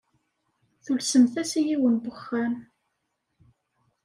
Tulsemt-as i yiwen n wexxam.